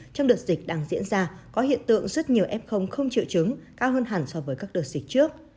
trong đợt dịch đang diễn ra có hiện tượng rất nhiều f không triệu chứng cao hơn hẳn so với các đợt dịch trước